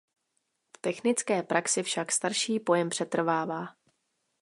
V technické praxi však starší pojem přetrvává.